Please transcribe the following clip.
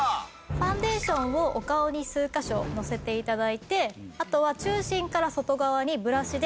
ファンデーションをお顔に数カ所のせて頂いてあとは中心から外側にブラシでのばして頂くだけです。